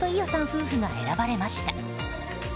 夫婦が選ばれました。